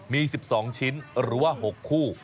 มี๑๒ชิ้นหรือว่า๖คู่